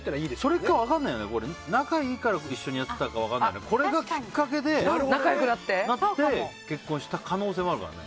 それか、仲がいいから一緒にやってたか分からないけどこれがきっかけで仲良くなって結婚した可能性もあるからね。